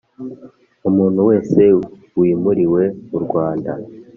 Umuntu wese wimuriwe mu Rwanda